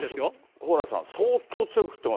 蓬莱さん、相当強く降ってま